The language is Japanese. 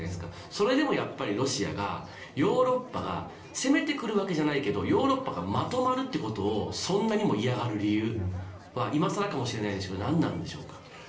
それでもやっぱりロシアがヨーロッパが攻めてくるわけじゃないけどヨーロッパがまとまるということをそんなにも嫌がる理由は今更かもしれないけど何なんでしょうか。